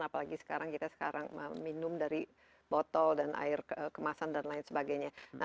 apalagi sekarang kita sekarang minum dari botol dan air kemasan dan lain sebagainya